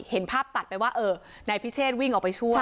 เห็นภาพตัดไปว่าเออนายพิเชษวิ่งออกไปช่วย